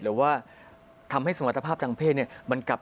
หรือว่าทำให้สมรรถภาพทางเพศเนี่ยมันกลับ